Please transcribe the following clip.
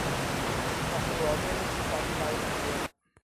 Il capoluogo è la città di Laodicea.